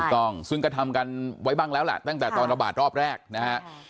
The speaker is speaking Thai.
ถูกต้องซึ่งก็ทำกันไว้บ้างแล้วแหละตั้งแต่ตอนระบาดรอบแรกนะฮะ